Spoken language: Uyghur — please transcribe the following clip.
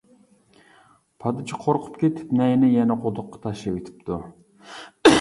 پادىچى قورقۇپ كېتىپ نەينى يەنە قۇدۇققا تاشلىۋېتىپتۇ.